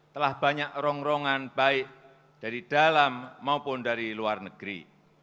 telah banyak rongrongan baik dari dalam maupun dari luar negeri